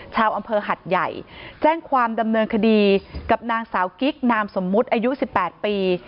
ชาวอำเภอหัดใหญ่แจ้งความดำเนินคดีกับนางสาวกิ๊กนามสมมุติอายุ๑๘ปี